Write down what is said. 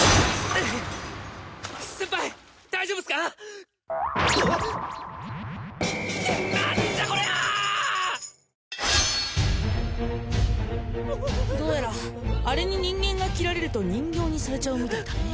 アワワワどうやらアレに人間が切られると人形にされちゃうみたいだね